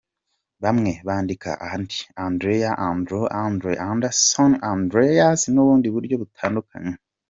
Bamwe bandika Andi, Andrea, Andrew, Andres, Anderson, Andreas n’ubundi buryo butandukanye.